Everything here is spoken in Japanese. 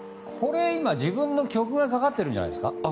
これは自分の曲がかかってるんじゃないですか？